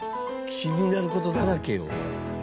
気になる事だらけよ。